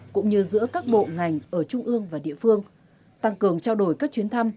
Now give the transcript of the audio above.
cũng như giữa các bộ ngành ở trung ương và địa phương tăng cường trao đổi các chuyến thăm